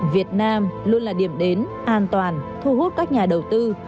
việt nam luôn là điểm đến an toàn thu hút các nhà đầu tư